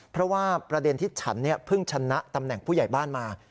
เพราะว่าประเด็นที่ฉันเพิ่งชนะตำแหน่งผู้ใหญ่บ้านมา